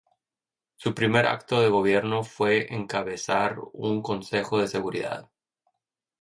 Su primer acto de gobierno fue encabezar un consejo de seguridad.